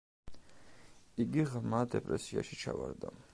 იგი ღრმა დეპრესიაში ჩავარდა.